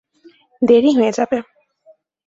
দেরি হয়ে যাবে।